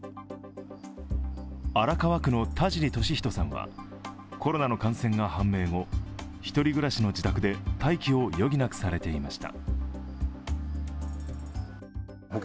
荒川区の田尻敏仁さんは、コロナの感染が判明後１人暮らしの自宅で待機を余儀なくされていました。